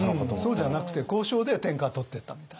そうじゃなくて交渉で天下を取ってったみたい。